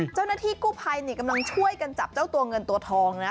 เจ้าหน้าที่กู้ภัยนี่กำลังช่วยกันจับเจ้าตัวเงินตัวทองนะ